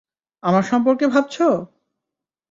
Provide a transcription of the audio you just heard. আমার সম্পর্কে ভাবছো?